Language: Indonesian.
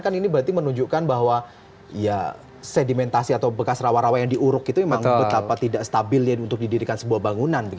kan ini berarti menunjukkan bahwa ya sedimentasi atau bekas rawa rawa yang diuruk itu memang betapa tidak stabil ya untuk didirikan sebuah bangunan